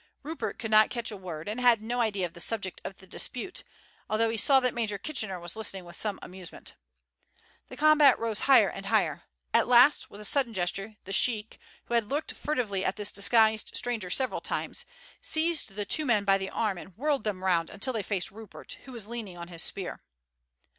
Rupert could not catch a word, and had no idea of the subject of the dispute, although he saw that Major Kitchener was listening with some amusement. The combat rose higher and higher. At last, with a sudden gesture, the sheik, who had looked furtively at this disguised stranger several times, seized the two men by the arm and whirled them round until they faced Rupert, who was leaning on his spear.